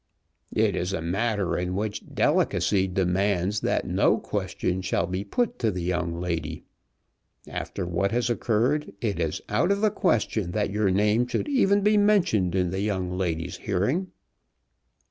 "It is a matter in which delicacy demands that no question shall be put to the young lady. After what has occurred, it is out of the question that your name should even be mentioned in the young lady's hearing."